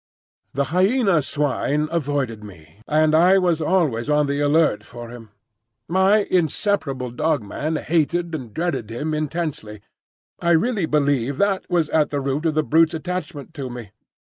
The Hyena swine avoided me, and I was always on the alert for him. My inseparable Dog man hated and dreaded him intensely. I really believe that was at the root of the brute's attachment to me.